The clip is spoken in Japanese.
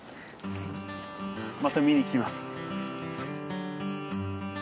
また見に来ます。